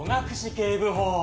警部補。